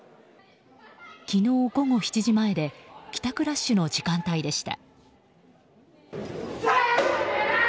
昨日午後７時前で帰宅ラッシュの時間帯でした。